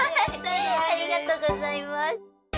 ありがとうございます。